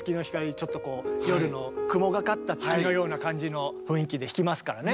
ちょっとこう夜の雲がかった月のような感じの雰囲気で弾きますからね。